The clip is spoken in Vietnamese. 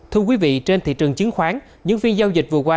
thưa quý vị trên thị trường chứng khoán những phiên giao dịch vừa qua